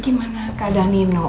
gimana keadaan nino